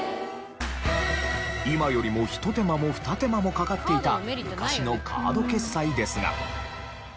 今よりも一手間も二手間もかかっていた昔のカード決済ですが。